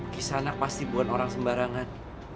kisah anak pasti buat orang sembarangan